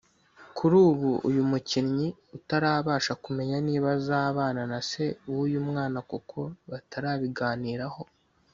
Kuri ubu uyu mukinnyi utarabasha kumenya niba azabana na se w’uyu mwana kuko batarabiganiraho